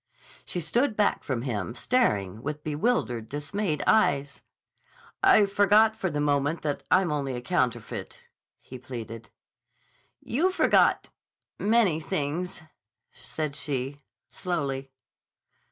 She stood back from him, staring with bewildered, dismayed eyes. "I forgot for the moment that I'm only a counterfeit," he pleaded. "You forgot—many things," said she slowly.